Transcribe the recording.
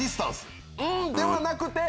ではなくて。